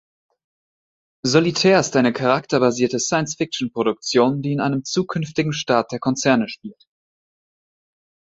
Solitaire ist eine charakterbasierte Science-Fiction-Produktion, die in einem zukünftigen Staat der Konzerne spielt.